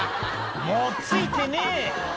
「もうついてねえ！」